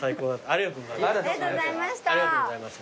ありがとうございます。